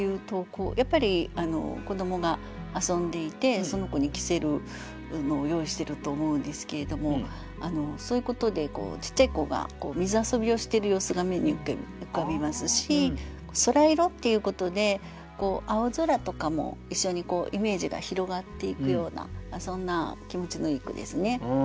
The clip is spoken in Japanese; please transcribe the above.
やっぱり子どもが遊んでいてその子に着せるのを用意してると思うんですけれどもそういうことでちっちゃい子が水遊びをしてる様子が目に浮かびますし「空色」っていうことで青空とかも一緒にイメージが広がっていくようなそんな気持ちのいい句ですね。